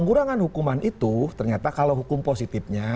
pengurangan hukuman itu ternyata kalau hukum positifnya